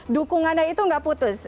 dukungan itu gak putus